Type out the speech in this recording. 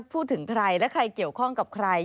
พูดถึงใครและใครเกี่ยวข้องกับใคร